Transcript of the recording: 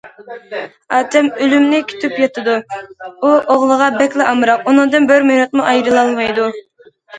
ئاچام ئۆلۈمنى كۈتۈپ ياتىدۇ، ئۇ ئوغلىغا بەكلا ئامراق، ئۇنىڭدىن بىر مىنۇتمۇ ئايرىلالمايدۇ.